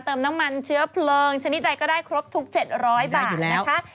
เติมน้ำมันเชื้อเพลิงชนิดใดก็ได้ครบทุก๗๐๐บาทนะคะ